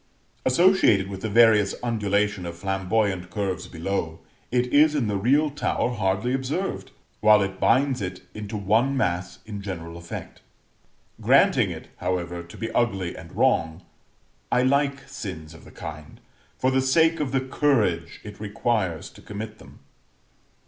Associated with the various undulation of flamboyant curves below, it is in the real tower hardly observed, while it binds it into one mass in general effect. Granting it, however, to be ugly and wrong, I like sins of the kind, for the sake of the courage it requires to commit them.